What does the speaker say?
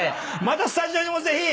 またスタジオにもぜひ。